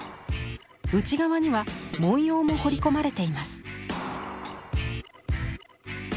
内側には文様も彫り込まれています。